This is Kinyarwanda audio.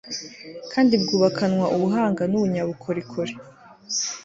kandi bwubakanwa ubuhanga n'umunyabukorikori